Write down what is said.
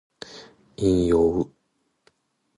引用